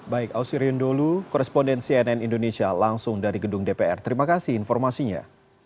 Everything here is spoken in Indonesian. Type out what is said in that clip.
baik ausirion dholu koresponden cnn indonesia langsung dari gedung dpr terima kasih informasinya